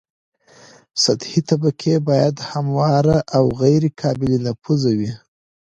سطحي طبقه باید همواره او غیر قابل نفوذ وي